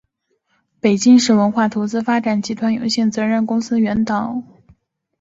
北京市文化投资发展集团有限责任公司原党委副书记、副董事长、总经理戴自更（正局级）涉嫌受贿罪一案